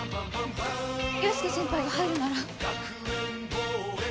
雄亮先輩が入るなら。